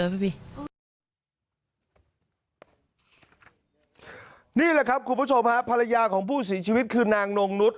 นี่แหละครับคุณผู้ชมฮะภรรยาของผู้เสียชีวิตคือนางนงนุษย